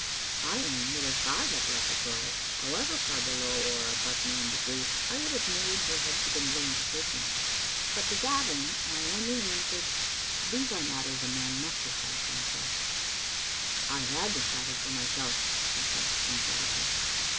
I own that if I had loved a girl, however far below or above me in degree, I would have married her had she been willing to take me. But to Gavin I only 16 Digitized by VjOOQ IC 242 QDe Kittle Ainteter. answered, " These are matters a man must decide for himself." "I had decided for myself," he said, emphatically.